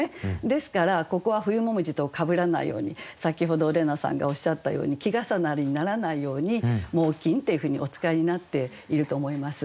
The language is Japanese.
ですからここは「冬紅葉」とかぶらないように先ほど怜奈さんがおっしゃったように季重なりにならないように「猛禽」っていうふうにお使いになっていると思います。